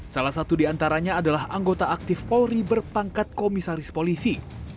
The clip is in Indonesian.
salah satu diantaranya adalah anggota aktif polri berpangkat komisaris polisi